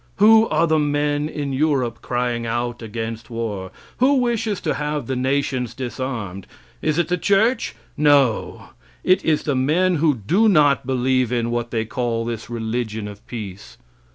Who are the men in Europe crying out against war? Who wishes to have the nations disarmed? Is it the church? No; it is the men who do not believe in what they call this religion of peace.